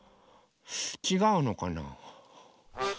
ちがうのかな。